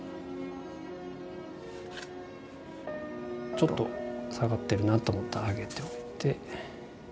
ちょっと下がってるなと思ったら上げておいて。